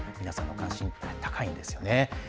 皆さんも関心高いですよね。